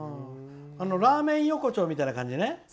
ラーメン横丁みたいな感じでね。